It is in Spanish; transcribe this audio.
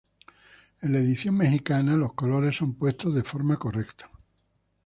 En la edición Mexicana los colores son puestos de forma correcta.